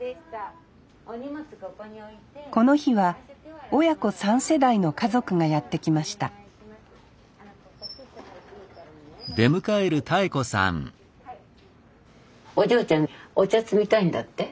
この日は親子三世代の家族がやって来ましたお嬢ちゃんお茶摘みたいんだって？